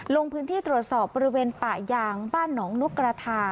ลงพื้นที่ตรวจสอบบริเวณป่ายางบ้านหนองนกกระทา